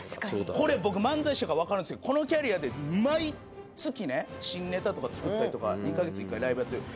これ僕漫才師やからわかるんですけどこのキャリアで毎月ね新ネタとか作ったりとか２カ月に１回ライブやってる。